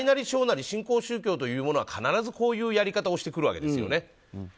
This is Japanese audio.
小なり新興宗教というものは必ずこういうやり方をしてくるわけですね。